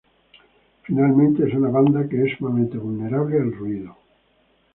Finalmente, es una banda que es sumamente vulnerable al ruido.